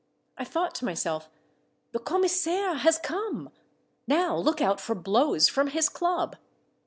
I thought to myself, —" The commissaire has come ! Now look out for blows from his club."